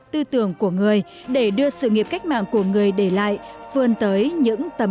tư tưởng của người để đưa sự nghiệp cách mạng của người để lại vươn tới những tầm